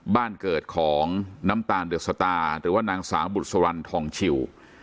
บ้านเกิดของน้ำตาลเดอะสตาร์หรือว่านางสาวบุษรรณทองชิว